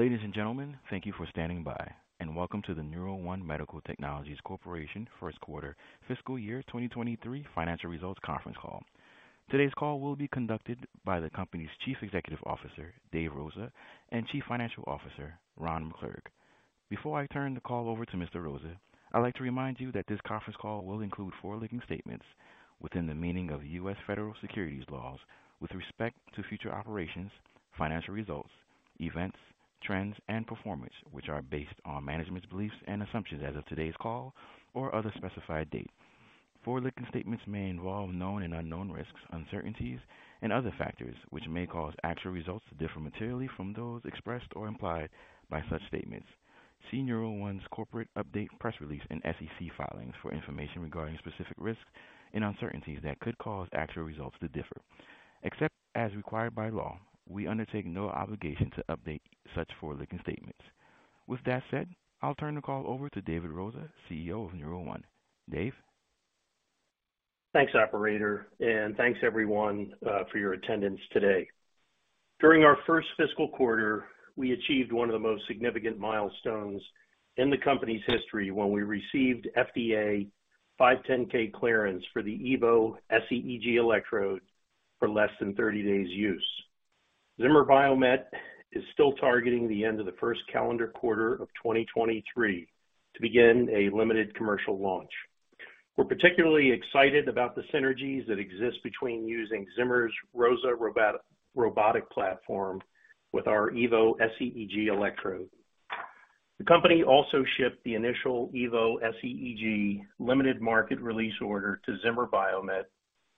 Ladies and gentlemen, thank you for standing by, and welcome to the NeuroOne Medical Technologies Corporation First Quarter Fiscal Year 2023 Financial Results Conference Call. Today's call will be conducted by the company's Chief Executive Officer, Dave Rosa, and Chief Financial Officer, Ron McClurg. Before I turn the call over to Mr. Rosa, I'd like to remind you that this conference call will include forward-looking statements within the meaning of U.S. Federal securities laws with respect to future operations, financial results, events, trends, and performance, which are based on management's beliefs and assumptions as of today's call or other specified date. Forward-looking statements may involve known and unknown risks, uncertainties, and other factors, which may cause actual results to differ materially from those expressed or implied by such statements. See NeuroOne's corporate update, press release, and SEC filings for information regarding specific risks and uncertainties that could cause actual results to differ. Except as required by law, we undertake no obligation to update such forward-looking statements. With that said, I'll turn the call over to Dave Rosa, CEO of NeuroOne. Dave? Thanks, operator, thanks, everyone, for your attendance today. During our first fiscal quarter, we achieved one of the most significant milestones in the company's history when we received FDA 510(k) clearance for the Evo sEEG electrode for less than 30 days use. Zimmer Biomet is still targeting the end of the first calendar quarter of 2023 to begin a limited commercial launch. We're particularly excited about the synergies that exist between using Zimmer's ROSA robotic platform with our Evo sEEG electrode. The company also shipped the initial Evo sEEG limited market release order to Zimmer Biomet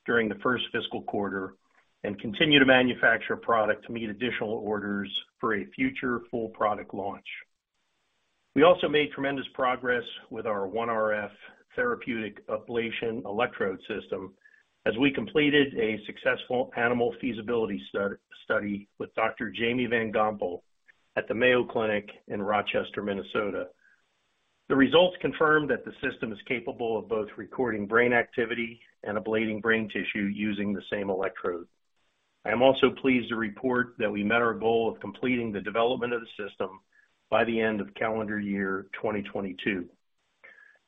during the first fiscal quarter and continue to manufacture product to meet additional orders for a future full product launch. We also made tremendous progress with our OneRF therapeutic ablation electrode system as we completed a successful animal feasibility study with Dr. Jamie Van Gompel at the Mayo Clinic in Rochester, Minnesota. The results confirm that the system is capable of both recording brain activity and ablating brain tissue using the same electrode. I am also pleased to report that we met our goal of completing the development of the system by the end of calendar year 2022.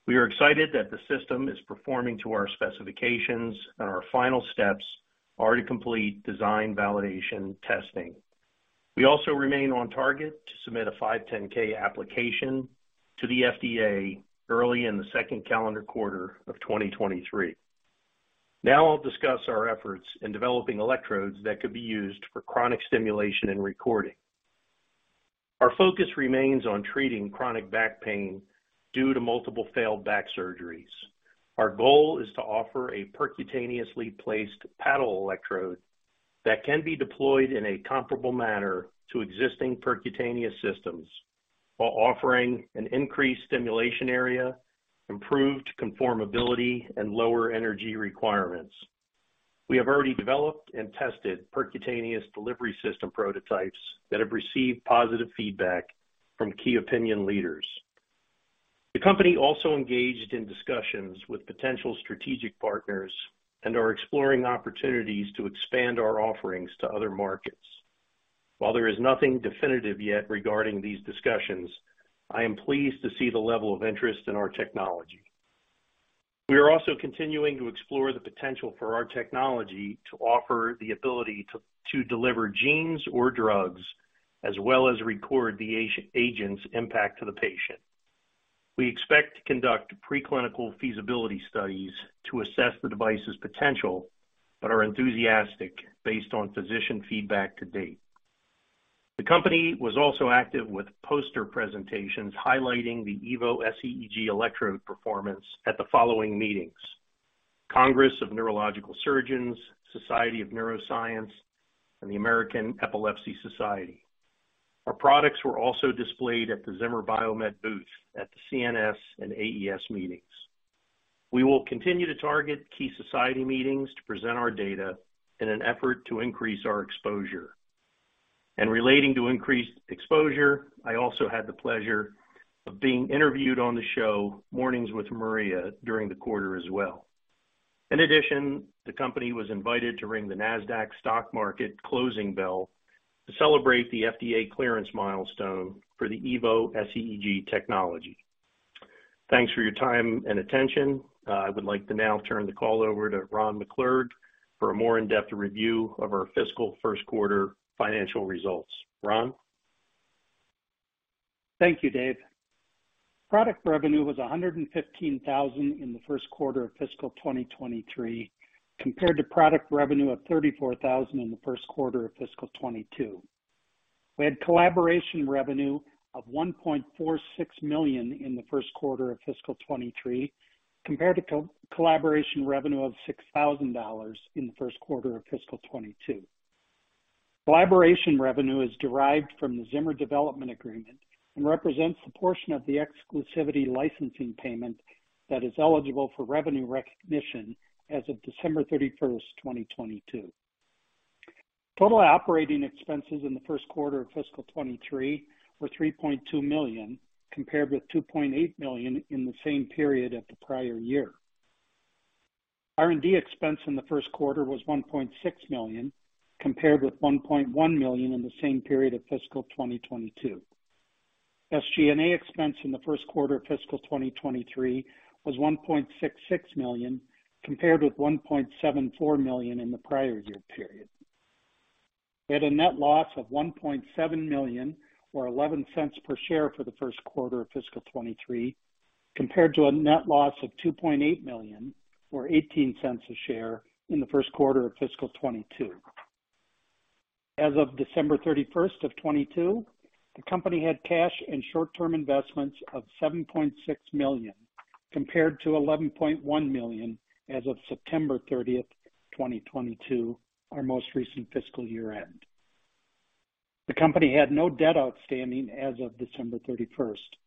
We are excited that the system is performing to our specifications, and our final steps are to complete design validation testing. We also remain on target to submit a 510(k) application to the FDA early in the second calendar quarter of 2023. I'll discuss our efforts in developing electrodes that could be used for chronic stimulation and recording. Our focus remains on treating chronic back pain due to multiple failed back surgeries. Our goal is to offer a percutaneously placed paddle electrode that can be deployed in a comparable manner to existing percutaneous systems while offering an increased stimulation area, improved conformability, and lower energy requirements. We have already developed and tested percutaneous delivery system prototypes that have received positive feedback from key opinion leaders. The company also engaged in discussions with potential strategic partners and are exploring opportunities to expand our offerings to other markets. While there is nothing definitive yet regarding these discussions, I am pleased to see the level of interest in our technology. We are also continuing to explore the potential for our technology to offer the ability to deliver genes or drugs, as well as record the agent's impact to the patient. We expect to conduct preclinical feasibility studies to assess the device's potential, but are enthusiastic based on physician feedback to date. The company was also active with poster presentations highlighting the Evo sEEG electrode performance at the following meetings: Congress of Neurological Surgeons, Society for Neuroscience, and the American Epilepsy Society. Our products were also displayed at the Zimmer Biomet booth at the CNS and AES meetings. We will continue to target key society meetings to present our data in an effort to increase our exposure. Relating to increased exposure, I also had the pleasure of being interviewed on the show Mornings with Maria during the quarter as well. In addition, the company was invited to ring the Nasdaq Stock Market closing bell to celebrate the FDA clearance milestone for the Evo sEEG technology. Thanks for your time and attention. I would like to now turn the call over to Ron McClurg for a more in-depth review of our fiscal first quarter financial results. Ron? Thank you, Dave. Product revenue was $115,000 in the first quarter of fiscal 2023, compared to product revenue of $34,000 in the first quarter of fiscal 2022. We had collaboration revenue of $1.46 million in the first quarter of fiscal 2023, compared to collaboration revenue of $6,000 in the first quarter of fiscal 2022. Collaboration revenue is derived from the Zimmer development agreement and represents the portion of the exclusivity licensing payment that is eligible for revenue recognition as of December 31st, 2022. Total operating expenses in the first quarter of fiscal 2023 were $3.2 million, compared with $2.8 million in the same period of the prior year. R&D expense in the first quarter was $1.6 million, compared with $1.1 million in the same period of fiscal 2022. SG&A expense in the first quarter of fiscal 2023 was $1.66 million, compared with $1.74 million in the prior year period. We had a net loss of $1.7 million, or $0.11 per share for the first quarter of fiscal 2023, compared to a net loss of $2.8 million or $0.18 a share in the first quarter of fiscal 2022. As of December 31st, 2022, the company had cash and short-term investments of $7.6 million, compared to $11.1 million as of September 30th, 2022, our most recent fiscal year end. The company had no debt outstanding as of December 31st,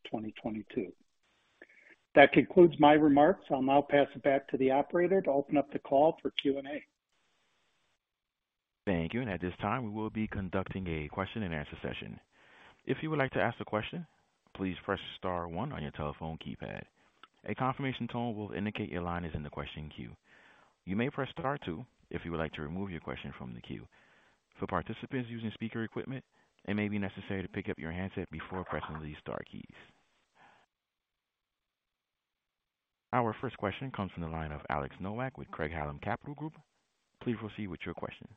2022. That concludes my remarks. I'll now pass it back to the operator to open up the call for Q&A. Thank you. At this time, we will be conducting a question-and-answer session. If you would like to ask a question, please press star one on your telephone keypad. A confirmation tone will indicate your line is in the question queue. You may press star two if you would like to remove your question from the queue. For participants using speaker equipment, it may be necessary to pick up your handset before pressing these star keys. Our first question comes from the line of Alex Nowak with Craig-Hallum Capital Group. Please proceed with your question.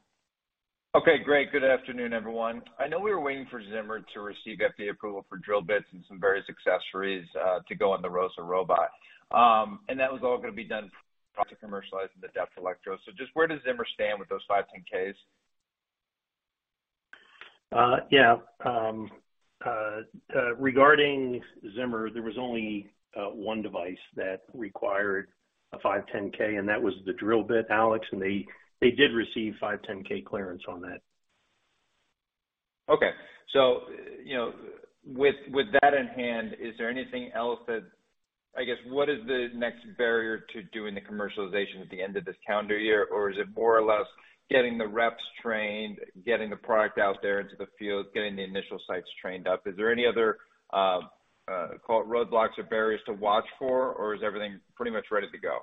Okay, great. Good afternoon, everyone. I know we were waiting for Zimmer to receive FDA approval for drill bits and some various accessories to go on the ROSA robot. And that was all gonna be done to commercialize the depth electrode. Just where does Zimmer stand with those 510(k)s? Yeah. Regarding Zimmer, there was only one device that required a 510(k), and that was the drill bit, Alex. They did receive 510(k) clearance on that. You know, with that in hand, is there anything else, I guess, what is the next barrier to doing the commercialization at the end of this calendar year? Or is it more or less getting the reps trained, getting the product out there into the field, getting the initial sites trained up? Is there any other, call it roadblocks or barriers to watch for, or is everything pretty much ready to go?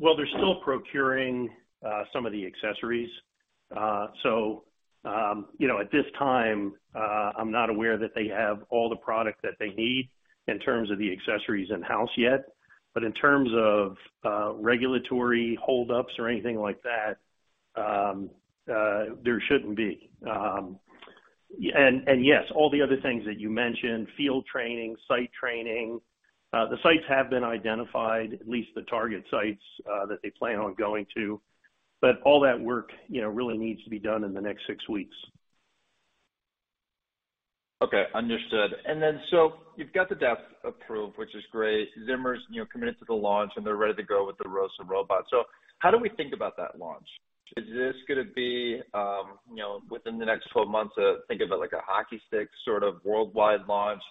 Well, they're still procuring some of the accessories. You know, at this time, I'm not aware that they have all the product that they need in terms of the accessories in-house yet. In terms of regulatory holdups or anything like that, there shouldn't be. Yes, all the other things that you mentioned, field training, site training, the sites have been identified, at least the target sites, that they plan on going to. All that work, you know, really needs to be done in the next six weeks. Okay, understood. You've got the depth approved, which is great. Zimmer's, you know, committed to the launch, and they're ready to go with the ROSA robot. How do we think about that launch? Is this gonna be, you know, within the next 12 months, think of it like a hockey stick sort of worldwide launch?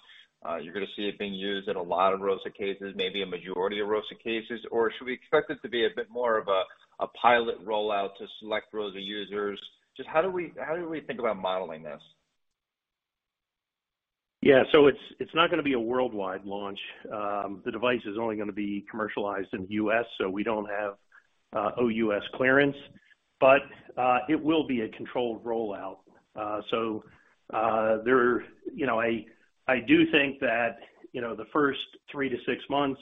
You're gonna see it being used in a lot of ROSA cases, maybe a majority of ROSA cases. Should we expect it to be a bit more of a pilot rollout to select ROSA users? How do we think about modeling this? Yeah. It's not gonna be a worldwide launch. The device is only gonna be commercialized in the US. We don't have OUS clearance. It will be a controlled rollout. There, you know, I do think that, you know, the first three to six months,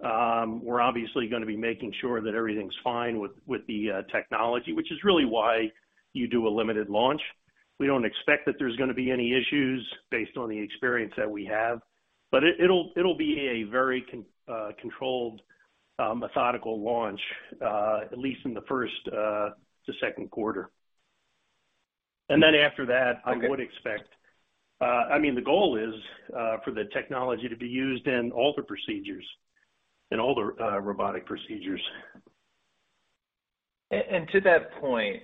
we're obviously gonna be making sure that everything's fine with the technology, which is really why you do a limited launch. We don't expect that there's gonna be any issues based on the experience that we have. It'll be a very controlled, methodical launch, at least in the first to second quarter. After that, I would expect... I mean, the goal is for the technology to be used in all the procedures, in all the robotic procedures. To that point,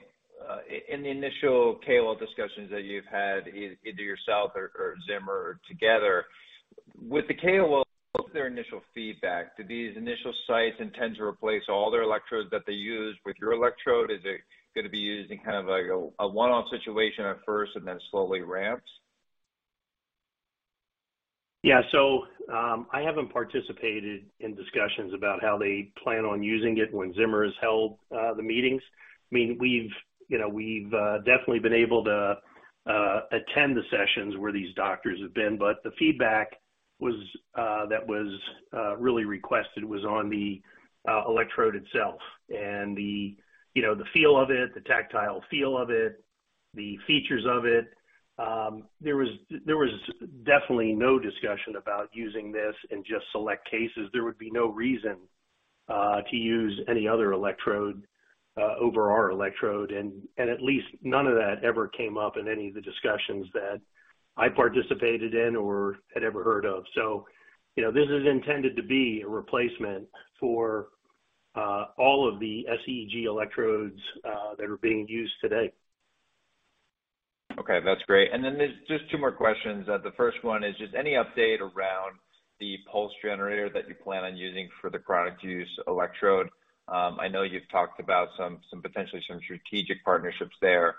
in the initial KOL discussions that you've had, either yourself or Zimmer together, with the KOL, what's their initial feedback? Do these initial sites intend to replace all their electrodes that they use with your electrode? Is it gonna be used in kind of like a one-off situation at first and then slowly ramps? I haven't participated in discussions about how they plan on using it when Zimmer has held the meetings. I mean, we've, you know, we've definitely been able to attend the sessions where these doctors have been. The feedback was that was really requested was on the electrode itself and the, you know, the feel of it, the tactile feel of it, the features of it. There was definitely no discussion about using this in just select cases. There would be no reason to use any other electrode over our electrode. At least none of that ever came up in any of the discussions that I participated in or had ever heard of. You know, this is intended to be a replacement for, all of the sEEG electrodes, that are being used today. Okay, that's great. There's just two more questions. The first one is just any update around the pulse generator that you plan on using for the product use electrode? I know you've talked about some potentially some strategic partnerships there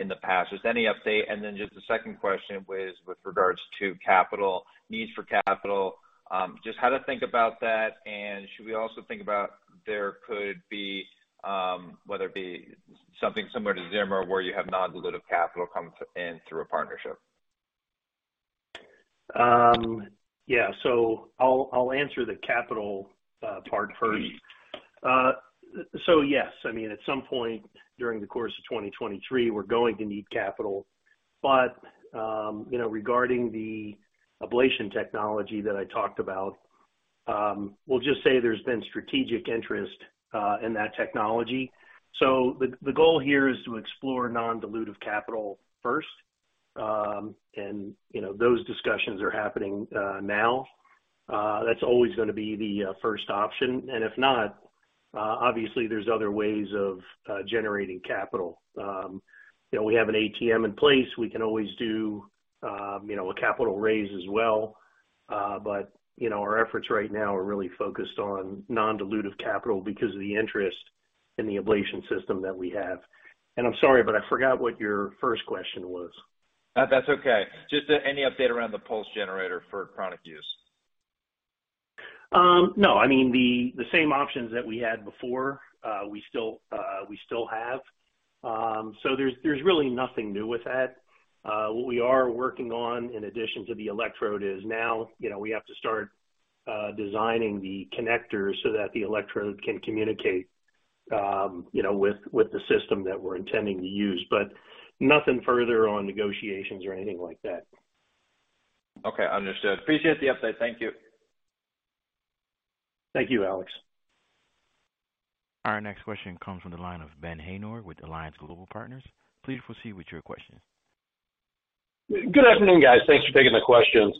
in the past. Just any update? Just the second question was with regards to needs for capital, just how to think about that, and should we also think about there could be whether it be something similar to Zimmer where you have non-dilutive capital come in through a partnership. Yeah. I'll answer the capital part first. Yes, I mean, at some point during the course of 2023, we're going to need capital. You know, regarding the ablation technology that I talked about, we'll just say there's been strategic interest in that technology. The goal here is to explore non-dilutive capital first. You know, those discussions are happening now. That's always gonna be the first option. If not, obviously there's other ways of generating capital. You know, we have an ATM in place. We can always do, you know, a capital raise as well. You know, our efforts right now are really focused on non-dilutive capital because of the interest in the ablation system that we have. I'm sorry, but I forgot what your first question was. That's okay. Just, any update around the pulse generator for chronic use? No. I mean, the same options that we had before, we still have. There's really nothing new with that. What we are working on in addition to the electrode is now, you know, we have to start designing the connectors so that the electrode can communicate, you know, with the system that we're intending to use. Nothing further on negotiations or anything like that. Okay. Understood. Appreciate the update. Thank you. Thank you, Alex. Our next question comes from the line of Ben Haynor with Alliance Global Partners. Please proceed with your question. Good afternoon, guys. Thanks for taking the questions.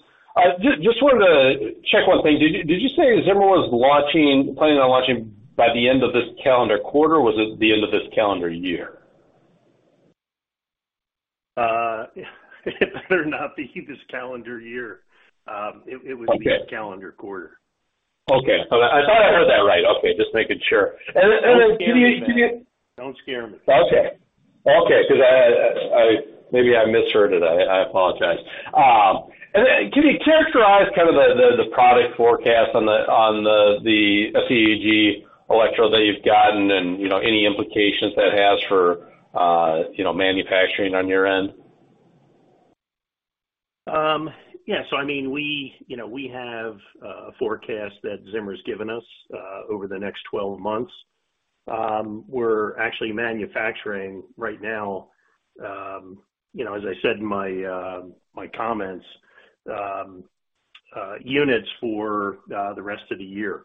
Just wanted to check one thing. Did you say Zimmer was planning on launching by the end of this calendar quarter, or was it the end of this calendar year? It better not be this calendar year. It would be this calendar quarter. Okay. I thought I heard that right. Okay. Just making sure. Then can you? Don't scare me, Ben. Okay. 'Cause I, maybe I misheard it. I apologize. Can you characterize kind of the product forecast on the sEEG electrode that you've gotten and, you know, any implications that has for, you know, manufacturing on your end? I mean, we, you know, we have a forecast that Zimmer's given us over the next 12 months. We're actually manufacturing right now, you know, as I said in my comments, units for the rest of the year.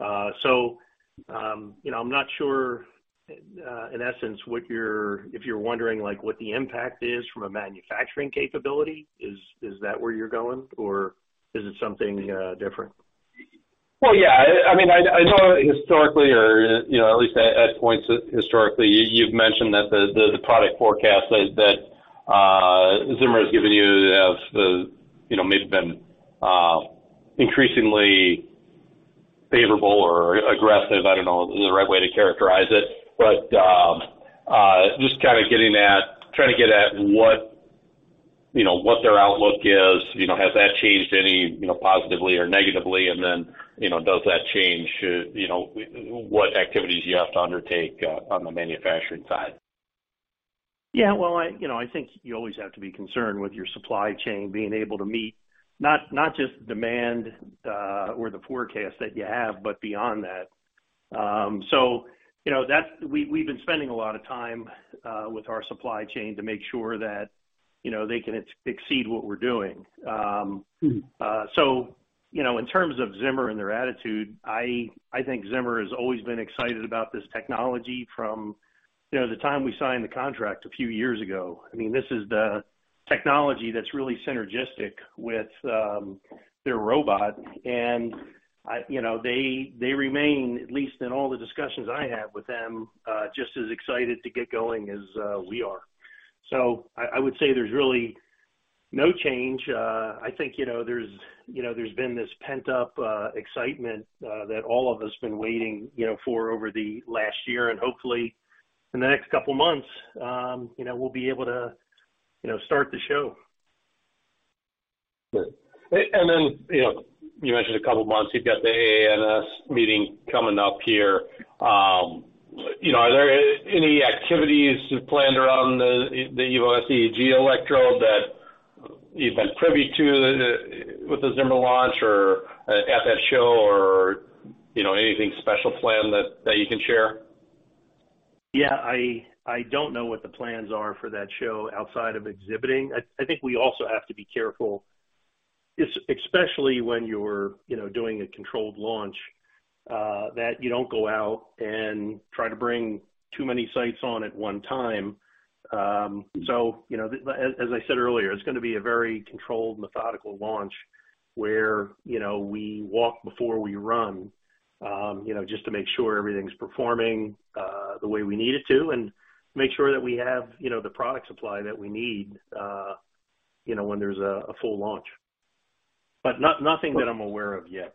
You know, I'm not sure, in essence, what you're if you're wondering, like, what the impact is from a manufacturing capability, is that where you're going or is it something different? Well, yeah. I mean, I know historically or, you know, at least at points historically, you've mentioned that the product forecast that Zimmer has given you has, you know, maybe been increasingly favorable or aggressive. I don't know the right way to characterize it. Just kinda trying to get at what, you know, what their outlook is. You know, has that changed any, you know, positively or negatively? You know, does that change, you know, what activities you have to undertake on the manufacturing side? Well, I, you know, I think you always have to be concerned with your supply chain being able to meet not just demand, or the forecast that you have, but beyond that. So, you know, that's we've been spending a lot of time with our supply chain to make sure that, you know, they can exceed what we're doing. So, you know, in terms of Zimmer and their attitude, I think Zimmer has always been excited about this technology from, you know, the time we signed the contract a few years ago. I mean, this is the technology that's really synergistic with their robot. I, you know, they remain, at least in all the discussions I have with them, just as excited to get going as we are. I would say there's really no change. I think, you know, there's, you know, there's been this pent-up excitement that all of us been waiting, you know, for over the last year. Hopefully in the next couple months, you know, we'll be able to, you know, start the show. Good. Then, you know, you mentioned a couple months, you've got the AANS meeting coming up here. You know, are there any activities planned around the Evo sEEG electrode that you've been privy to with the Zimmer launch or, at that show or, you know, anything special planned that you can share? Yeah. I don't know what the plans are for that show outside of exhibiting. I think we also have to be careful, especially when you're, you know, doing a controlled launch, that you don't go out and try to bring too many sites on at one time. You know, as I said earlier, it's gonna be a very controlled, methodical launch where, you know, we walk before we run, you know, just to make sure everything's performing the way we need it to and make sure that we have, you know, the product supply that we need, you know, when there's a full launch. Nothing that I'm aware of yet.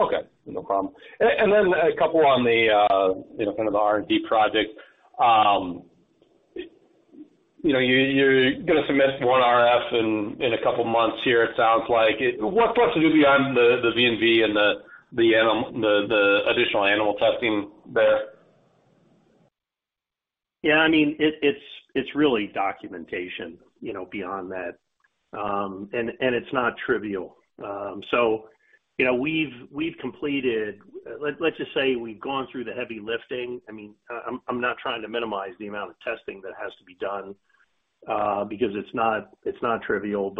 Okay, no problem. A couple on the, you know, kind of the R&D project. You know, you're gonna submit OneRF in a couple months here, it sounds like. What's left to do beyond the V&V and the additional animal testing there? Yeah, I mean, it's really documentation, you know, beyond that. It's not trivial. You know, we've completed. Let's just say we've gone through the heavy lifting. I mean, I'm not trying to minimize the amount of testing that has to be done, because it's not trivial,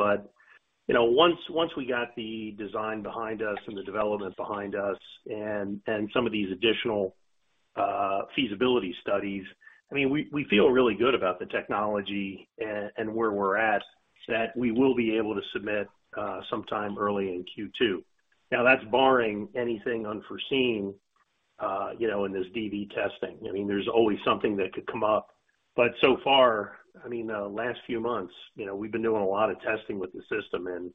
you know, once we got the design behind us and the development behind us and some of these additional feasibility studies, I mean, we feel really good about the technology and where we're at, that we will be able to submit sometime early in Q2. That's barring anything unforeseen, you know, in this DV testing. I mean, there's always something that could come up. So far, I mean, last few months, you know, we've been doing a lot of testing with the system and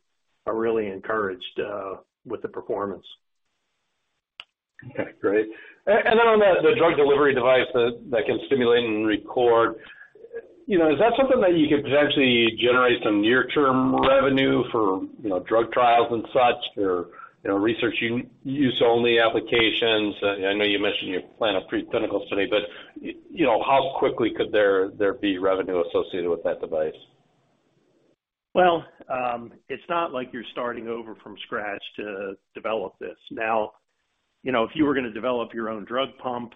are really encouraged with the performance. Okay, great. Then on the drug delivery device that can stimulate and record, you know, is that something that you could potentially generate some near-term revenue for, you know, drug trials and such, or, you know, research use only applications? I know you mentioned you plan a preclinical study, but, you know, how quickly could there be revenue associated with that device? It's not like you're starting over from scratch to develop this. Now, you know, if you were gonna develop your own drug pump,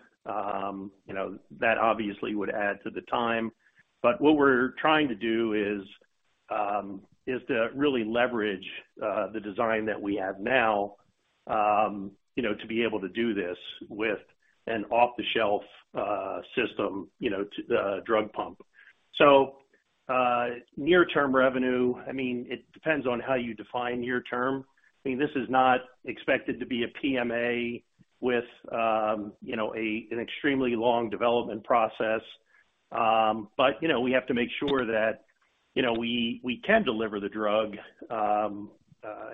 you know, that obviously would add to the time, but what we're trying to do is to really leverage the design that we have now, you know, to be able to do this with an off-the-shelf system, you know, to the drug pump. Near-term revenue, I mean, it depends on how you define near term. I mean, this is not expected to be a PMA with, you know, a, an extremely long development process. You know, we have to make sure that, you know, we can deliver the drug,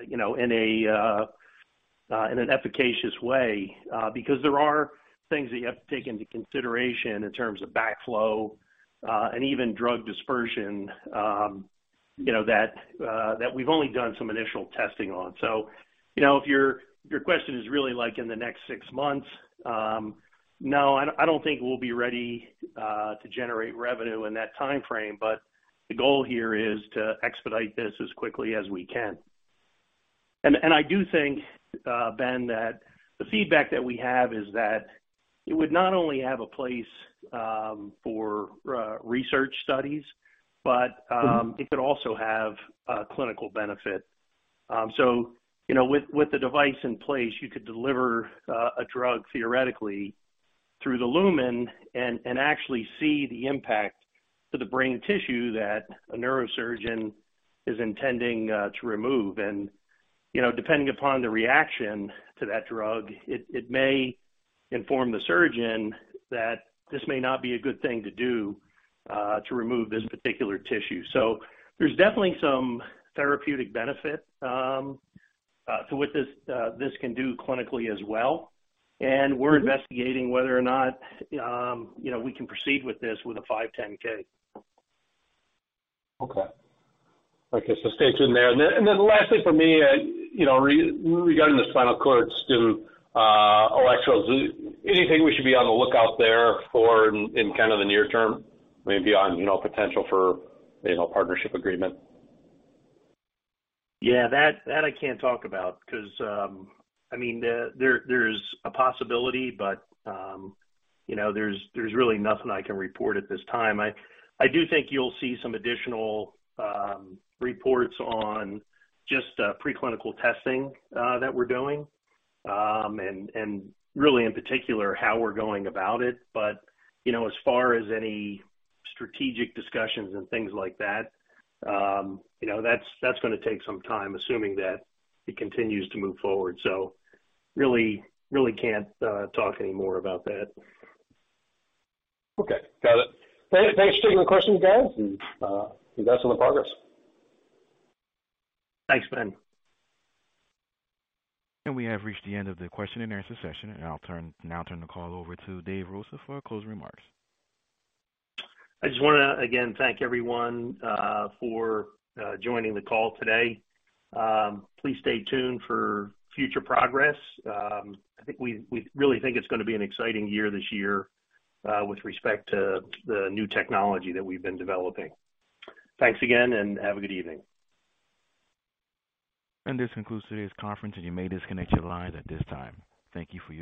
you know, in an efficacious way, because there are things that you have to take into consideration in terms of backflow, and even drug dispersion, you know, that we've only done some initial testing on. You know, if your question is really like in the next six months, no, I don't think we'll be ready to generate revenue in that timeframe. The goal here is to expedite this as quickly as we can. I do think, Ben, that the feedback that we have is that it would not only have a place for research studies, but, it could also have a clinical benefit. You know, with the device in place, you could deliver, a drug theoretically through the lumen and actually see the impact to the brain tissue that a neurosurgeon is intending to remove. You know, depending upon the reaction to that drug, it may inform the surgeon that this may not be a good thing to do, to remove this particular tissue. There's definitely some therapeutic benefit to what this can do clinically as well, and we're investigating whether or not, you know, we can proceed with this with a 510(k). Okay. Okay, stay tuned there. Lastly for me, you know, regarding the spinal cord stim electrodes, anything we should be on the lookout there for in kind of the near term? I mean, beyond, you know, potential for, you know, partnership agreement. Yeah, that I can't talk about 'cause, I mean, there is a possibility, but, you know, there's really nothing I can report at this time. I do think you'll see some additional reports on just preclinical testing that we're doing. Really in particular, how we're going about it. You know, as far as any strategic discussions and things like that, you know, that's gonna take some time, assuming that it continues to move forward. Really can't talk any more about that. Okay, got it. Thanks for taking the questions, guys, and good luck on the progress. Thanks, Ben. We have reached the end of the question and answer session, and now turn the call over to Dave Rosa for closing remarks. I just wanna, again, thank everyone for joining the call today. Please stay tuned for future progress. I think we really think it's gonna be an exciting year this year with respect to the new technology that we've been developing. Thanks again. Have a good evening. This concludes today's conference, and you may disconnect your lines at this time. Thank you for your participation.